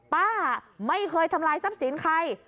ป้าไม่เคยทำลายทรัพย์สินใคร